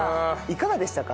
いかがでしたか？